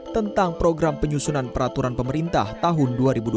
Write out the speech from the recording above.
tentang program penyusunan peraturan pemerintah tahun dua ribu dua puluh